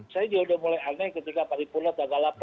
saya juga sudah mulai aneh ketika paripurna tanggal delapan